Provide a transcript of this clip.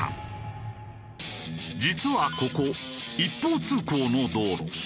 実はここ一方通行の道路。